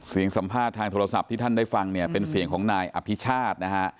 สิ่งสัมภาษณ์ทางโทรศัพท์ที่ท่านได้ฟังเป็นเสียงของนายอภิชาษณ์